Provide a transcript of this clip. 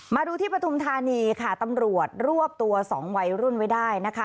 มาดูที่ปฐุมธานีค่ะตำรวจรวบตัวสองวัยรุ่นไว้ได้นะคะ